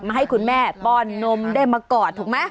ให้คุณแม่ป้อนนมได้มากอดถูกไหม